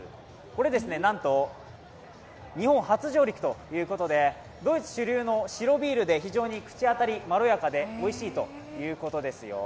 これ、なんと日本初上陸ということでドイツ主流の白ビールで非常に口当たりまろやかでおいしいということですよ。